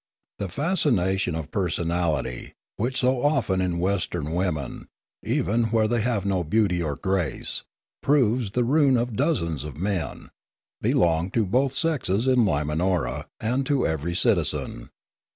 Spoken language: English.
The fascination of person ality, which so often in Western women, even where they have no beauty or grace, proves the ruin of dozens of men, belonged to both sexes in Limanora and to every citizen.